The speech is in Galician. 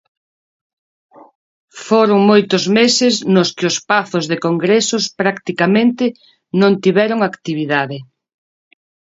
Foron moitos meses nos que os pazos de congresos practicamente non tiveron actividade.